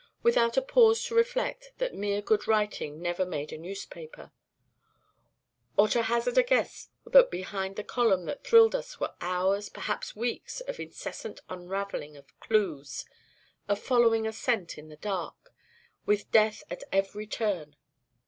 without a pause to reflect that mere good writing never made a newspaper, or to hazard a guess that behind the column that thrilled us were hours, perhaps weeks, of incessant unravelling of clues, of following a scent in the dark, with death at every turn.